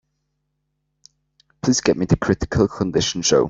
Please get me the Critical Condition show.